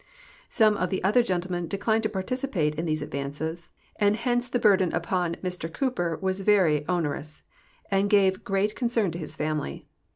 Some of the oth(;r gentlemen deelim. dto participate in these ad A'ances, and hence the burden U))on Mr Cooper was very onerous and gave great concern to his family.